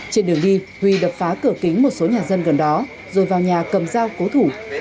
trên đường đi huy đập phá cửa kính một số nhà dân gần đó rồi vào nhà cầm dao cố thủ